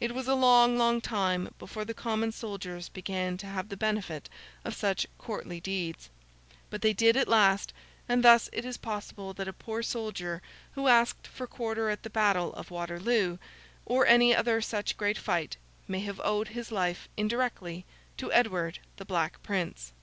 It was a long, long time before the common soldiers began to have the benefit of such courtly deeds; but they did at last; and thus it is possible that a poor soldier who asked for quarter at the battle of Waterloo, or any other such great fight, may have owed his life indirectly to Edward the Black Prince.